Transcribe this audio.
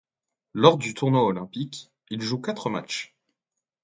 Lors du tournoi olympique, il joue quatre matchs.